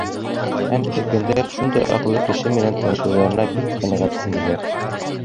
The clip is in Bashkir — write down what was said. Һәм өлкәндәр шундай аҡыллы кеше менән танышыуҙарына бик ҡәнәғәт инеләр.